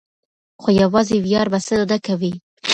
خو یوازې ویاړ بسنه نه کوي.